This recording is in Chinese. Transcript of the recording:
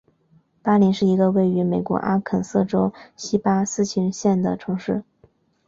巴林是一个位于美国阿肯色州锡巴斯琴县的城市。